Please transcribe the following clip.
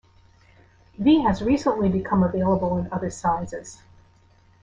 V has recently become available in other sizes.